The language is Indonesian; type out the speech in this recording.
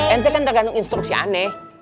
ente kan tergantung instruksi aneh